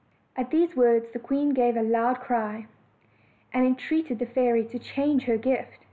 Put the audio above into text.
At these words the queen gave a loud cry, and entreated the fairy to change her gift.